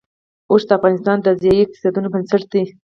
اوښ د افغانستان د ځایي اقتصادونو بنسټ دی.